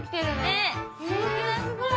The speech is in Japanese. すごい！